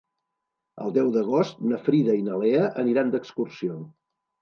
El deu d'agost na Frida i na Lea aniran d'excursió.